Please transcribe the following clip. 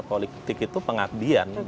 politik itu pengakuan